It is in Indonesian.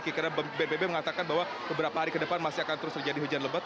karena bpp mengatakan bahwa beberapa hari ke depan masih akan terus terjadi hujan lebat